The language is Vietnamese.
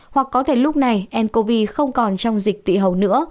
hoặc có thể lúc này ncov không còn trong dịch tị hầu nữa